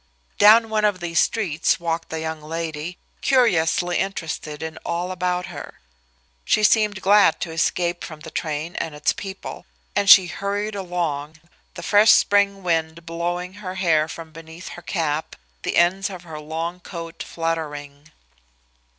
Down one of these streets walked the young lady, curiously interested in all about her. She seemed glad to escape from the train and its people, and she hurried along, the fresh spring wind blowing her hair from beneath her cap, the ends of her long coat fluttering.